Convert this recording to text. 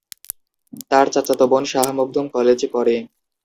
তার চাচাতো বোন শাহ মখদুম কলেজে পড়ে।